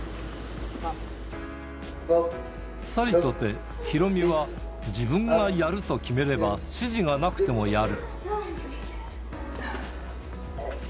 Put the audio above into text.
さりとて、ヒロミは自分がやると決めれば、指示がなくてもやる。